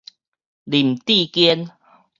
林智堅